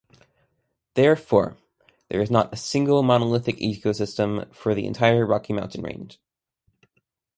Therefore, there is not a single monolithic ecosystem for the entire Rocky Mountain Range.